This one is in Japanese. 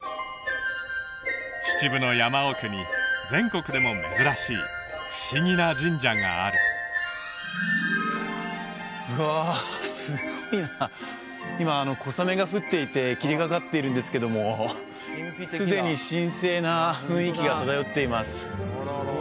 秩父の山奥に全国でも珍しい不思議な神社があるうわすごいな今小雨が降っていて霧がかっているんですけどもすでに神聖な雰囲気が漂っています